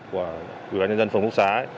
của ủy ban nhân dân phòng quốc xá